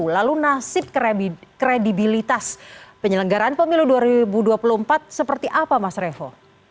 lalu nasib kredibilitas penyelenggaraan pemilu dua ribu dua puluh empat seperti apa mas revo